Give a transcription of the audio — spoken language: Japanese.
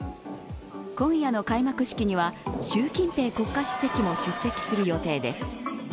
今夜の開幕式には習近平国家主席も出席する予定です。